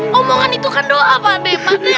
ngomongan itu kan doa pak deh pak deh